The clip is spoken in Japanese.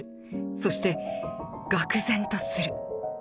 そしてがく然とする。